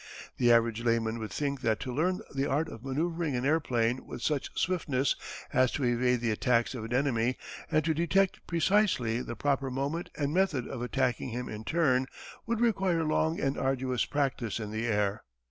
The average layman would think that to learn the art of manoeuvring an airplane with such swiftness as to evade the attacks of an enemy, and to detect precisely the proper moment and method of attacking him in turn, would require long and arduous practice in the air.